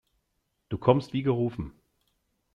Du kommst wie gerufen.